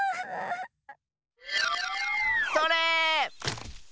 それ！